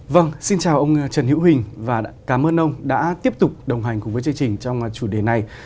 vâng xin chào ông trần hữu hình và cảm ơn ông đã tiếp tục đồng hành cùng với chương trình trong chủ đề này